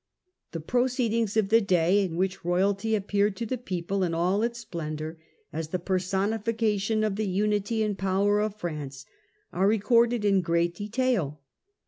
The proceedings of the day, in which royalty appeared to the people in all its splendour, as the personification of the unity and power of France, are recorded in great detail.